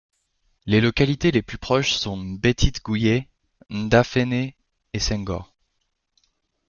Les localités les plus proches sont Mbetit Gouye, Ndafene et Senghor.